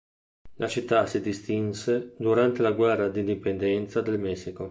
La città si distinse durante la Guerra d'Indipendenza del Messico.